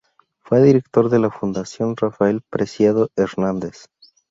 Fue director de la Fundación Rafael Preciado Hernández.